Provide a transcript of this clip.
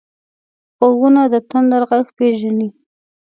غوږونه د تندر غږ پېژني